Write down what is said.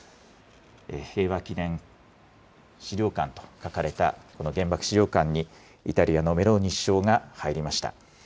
平和記念資料館と書かれた、この原爆資料館にイタリアのメローニ首相が入りました。